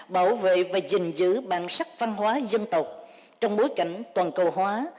bảo vệ và giữ bản sắc văn hóa dân tộc trong bối cảnh toàn cầu hóa